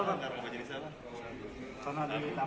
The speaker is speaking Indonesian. karena ada yang ditampak